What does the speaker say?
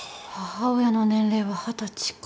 母親の年齢は二十歳か。